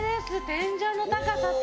天井の高さと！